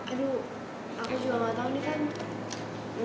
aduh aku juga gak tahu nih kan